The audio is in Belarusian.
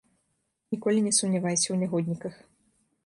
Ніколі не сумнявайся ў нягодніках.